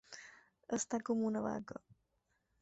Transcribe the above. Estar com una vaca.